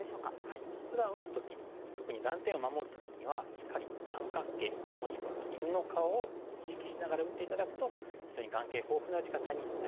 ふだん打つ時特に断点を守る時にはしっかり三角形もしくは犬の顔を意識しながら打って頂くと非常に眼形豊富な打ち方になります。